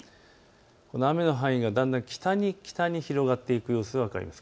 この雨の範囲がだんだん北に北に広がっていく様子が分かります。